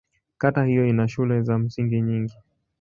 Kata hiyo ina shule za msingi nyingi.